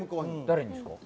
誰にですか？